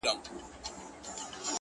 • پخوانيو زمانو كي يو لوى ښار وو,